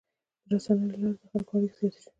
د رسنیو له لارې د خلکو اړیکې زیاتې شوي.